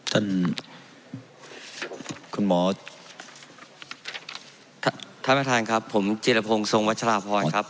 ท่านประธานครับผมจิรพงศ์ทรงวัชถ์ฝรรณครับ